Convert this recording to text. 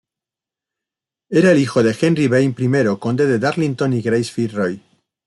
Era el hijo de Henry Vane, I conde de Darlington y Grace Fitzroy.